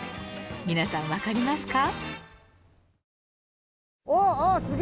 皆さんわかりますか？